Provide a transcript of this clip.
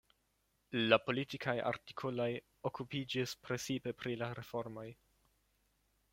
La politikaj artikoloj okupiĝis precipe pri la reformoj.